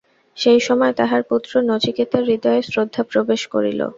সেই সময় তাঁহার পুত্র নচিকেতার হৃদয়ে শ্রদ্ধা প্রবেশ করিল।